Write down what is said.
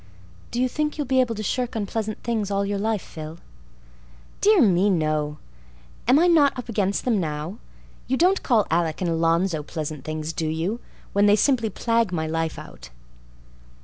"Do you think you'll be able to shirk unpleasant things all your life, Phil?" "Dear me, no. Am I not up against them now? You don't call Alec and Alonzo pleasant things, do you, when they simply plague my life out?"